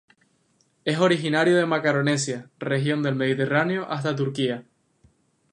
Es originario de Macaronesia, región del Mediterráneo hasta Turquía.